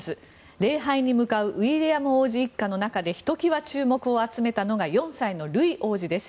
礼拝に向かうウィリアム皇太子一家の中でひときわ注目を集めたのが４歳のルイ王子です。